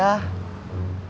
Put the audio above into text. dan aku juga